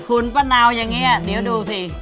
หุ่นปะเนาอย่างนี้เดี๋ยวดูสิ